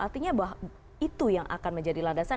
artinya bahwa itu yang akan menjadi landasan